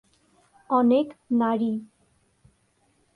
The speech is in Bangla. অনেক নারী।